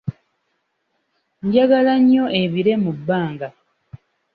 Njagala nnyo ebire mu bbanga.